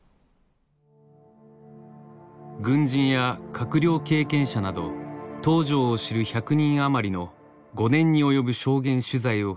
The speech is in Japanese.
軍人や閣僚経験者など東條を知る１００人あまりの５年に及ぶ証言取材を経て世に出された評伝は